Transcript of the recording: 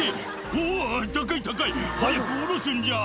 「おぉ高い高い早く降ろすんじゃ」